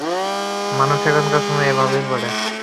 মানুষ এখনকার সময়ে এভাবেই লড়ে!